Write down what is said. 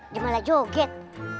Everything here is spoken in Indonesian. dia malah joget